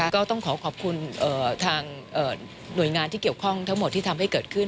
ก็ต้องขอขอบคุณทางหน่วยงานที่เกี่ยวข้องทั้งหมดที่ทำให้เกิดขึ้น